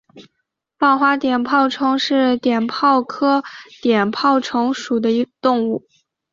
棒花碘泡虫为碘泡科碘泡虫属的动物。